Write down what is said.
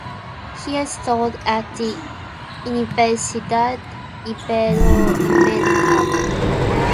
He has taught at the Universidad Iberoamericana.